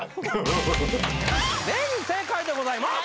全員正解でございます！